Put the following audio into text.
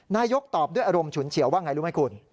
นายกตอบด้วยอารมณ์ฉุนเฉียวว่าไงรู้ไหมคุณ